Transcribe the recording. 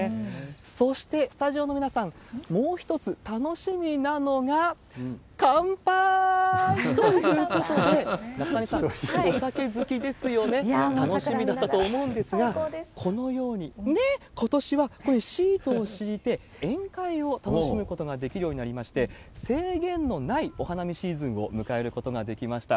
そして、スタジオの皆さん、もう一つ楽しみなのが、かんぱーい！ということで、中谷さん、いやー、もう桜見ながら、楽しみだったと思うんですが、このように、ねっ、ことしはシートを敷いて、宴会を楽しむことができるようになりまして、制限のないお花見シーズンを迎えることができました。